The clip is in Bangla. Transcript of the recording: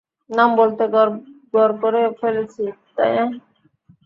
নাম বলতে গড়বড় করে ফেলেছি, তাই না?